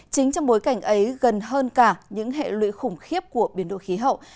chính trong bối cảnh ấy gần hơn cả những hệ lụy khủng khiếp của biển độ khí hậu